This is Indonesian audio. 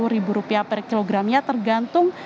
rp sepuluh per kg nya tergantung